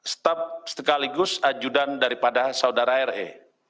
stab sekaligus ajudan daripada saudara are